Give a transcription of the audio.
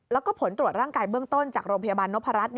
แล้วก็ผลตรวจร่างกายเบื้องต้นจากโรงพยาบาลนพรัช